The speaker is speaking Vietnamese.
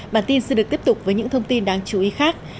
bản tin sẽ được tiếp tục với những thông tin đáng chú ý khác